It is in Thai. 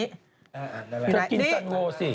จะกินจัดโง้สิ